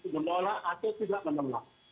menolak atau tidak menolak